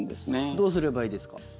どうすればいいですか。